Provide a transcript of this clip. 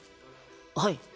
はい。